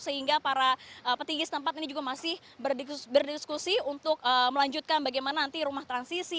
sehingga para petinggi tempat ini juga masih berdiskusi untuk melanjutkan bagaimana nanti rumah transisi